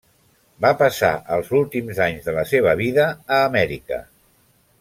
Va passar els últims anys de la seva vida a Amèrica.